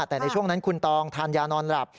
แต่ในช่วงนั้นคุณตองทานยานอนหลับ